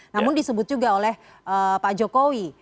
namun disebut juga oleh pak jokowi